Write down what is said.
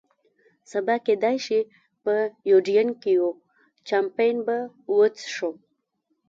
سبا کېدای شي په یوډین کې یو، چامپېن به وڅښو.